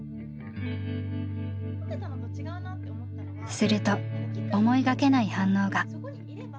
すると思いがけない反応が。